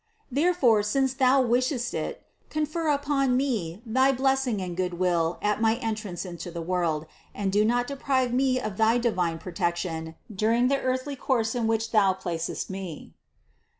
Therefore since Thou wishest it, confer upon me thy blessing and good will at my entrance into the world, and do not deprive me of THE CONCEPTION 255 thy divine protection during the earthly course in which Thou placest me."